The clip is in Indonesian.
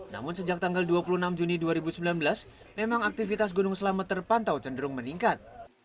namun sejak tanggal dua puluh enam juni dua ribu sembilan belas memang aktivitas gunung selamet terpantau cenderung meningkat